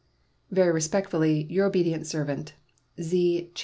Very respectfully, your obedient servant, Z.